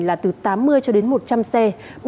là từ tám mươi cho đến một trăm linh xe